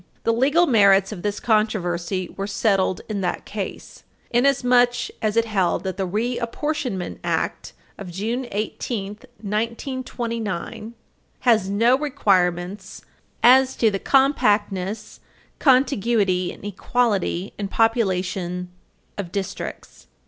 The legal merits of this controversy were settled in that case, inasmuch as it held that the Reapportionment Act of June 18, 1929, 46 Stat. 21, as amended, 2 U.S.C. § 2(a), has no requirements "as to the compactness, contiguity and equality in population of districts."